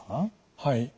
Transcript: はい。